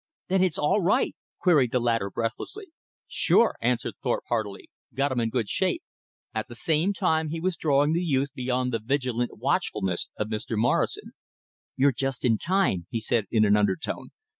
"Then it's all right?" queried the latter breathlessly. "Sure," answered Thorpe heartily, "got 'em in good shape." At the same time he was drawing the youth beyond the vigilant watchfulness of Mr. Morrison. "You're just in time," he said in an undertone.